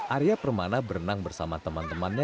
arya permana berenang bersama teman temannya